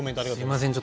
すいません。